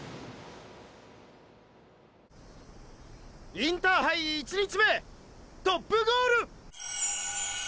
「インターハイ１日目トップゴール！！」